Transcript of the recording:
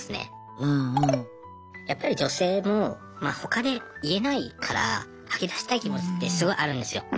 やっぱり女性もほかで言えないから吐き出したい気持ちってすごいあるんですよ。